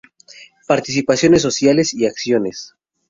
Participaciones sociales y acciones